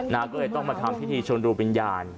นะเอ้อต้องมาทำที่ธีชนดูบัญญาณ